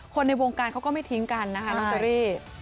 ในวงการเขาก็ไม่ทิ้งกันนะคะน้องเชอรี่